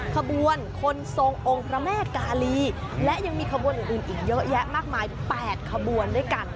ขบวนคนทรงองค์พระแม่กาลีและยังมีขบวนอื่นอีกเยอะแยะมากมาย๘ขบวนด้วยกัน